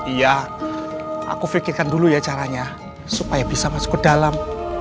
iya aku pikirkan dulu ya caranya supaya bisa masuk ke dalam